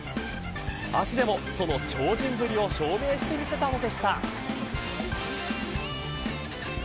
足でも、その超人ぶりを証明してみせたのでした。